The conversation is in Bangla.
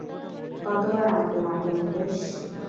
কতবার আমাকে মারবে মুকেশ?